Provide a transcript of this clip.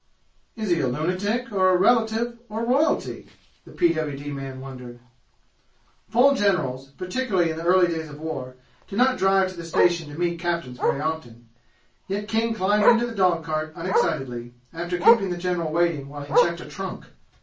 "Is he a lunatic or a relative of royalty?" the P.W.D. man wondered. Full generals, particularly in the early days of war, do not drive to the station to meet captains very often; yet King climbed into the dog cart unexcitedly, after keeping the general waiting while he checked a trunk!